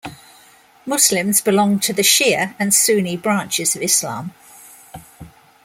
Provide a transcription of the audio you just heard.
Muslims belong to the Shi'a and Sunni branches of Islam.